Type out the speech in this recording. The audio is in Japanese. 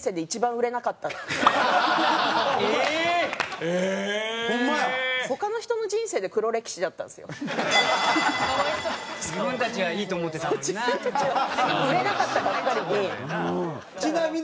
売れなかったばっかりに。